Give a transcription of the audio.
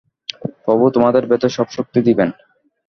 প্রভু তোমাদের ভেতর সব শক্তি দিবেন।